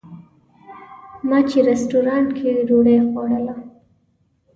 ما چې رسټورانټ کې ډوډۍ خوړله.